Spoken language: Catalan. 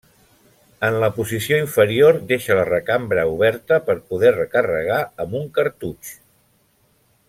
En la posició inferior deixa la recambra oberta, per poder recarregar amb un cartutx.